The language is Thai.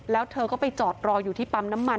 แล้วเธอก็ไปจอดรออยู่ที่ปั๊มน้ำมัน